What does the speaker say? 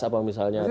ada apa misalnya